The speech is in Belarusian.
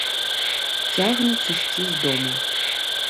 Цягнуць ісці з дому!